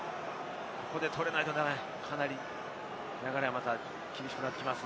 ここで取れないと、かなり流れが厳しくなってきます。